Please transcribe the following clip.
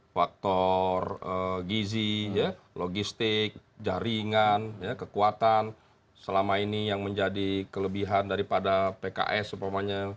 faktor gizi logistik jaringan kekuatan selama ini yang menjadi kelebihan daripada pks upamanya